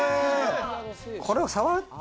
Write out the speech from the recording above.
これを触って。